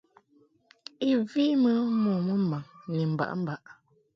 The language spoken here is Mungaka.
I vi mɨ mo mɨmbaŋ ni mbaʼmbaʼ.